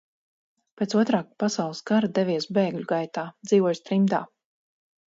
Pēc Otrā pasaules kara devies bēgļu gaitā, dzīvojis trimdā.